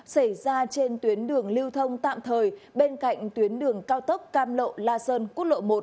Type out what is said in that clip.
xảy ra trên tuyến đường lưu thông tạm thời bên cạnh tuyến đường cao tốc cam lộ la sơn quốc lộ một